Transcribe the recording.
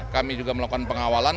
kami juga melakukan pengawalan